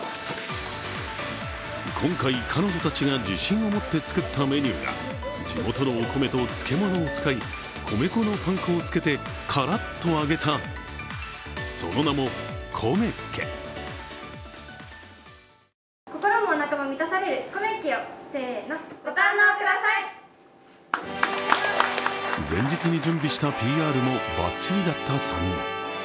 今回、彼女たちが自信を持って作ったメニューが地元のお米と漬け物を使い米粉のパン粉をつけてからっと揚げた、その名もこめっけ前日に準備したＰＲもばっちりだった３人。